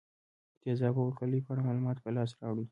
د تیزابونو او القلیو په اړه معلومات په لاس راوړئ.